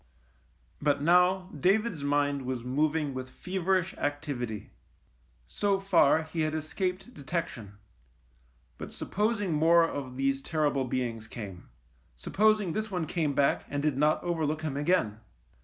But now David's mind was moving with feverish activity. So far he had escaped detection — but supposing more of these ter rible beings came. Supposing this one came back and did not overlook him again.